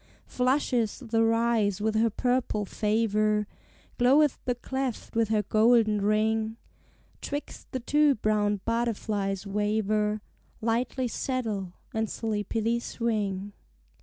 Flusheth the rise with her purple favor, Gloweth the cleft with her golden ring, 'Twixt the two brown butterflies waver, Lightly settle, and sleepily swing.